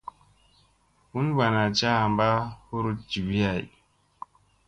Bunbana caamba huɗ jivi hay.